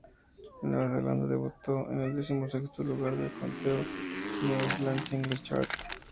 En Nueva Zelanda, debutó en el decimosexto lugar del conteo "New Zealand Singles Chart".